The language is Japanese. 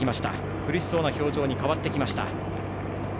苦しそうな表情に変わってきました。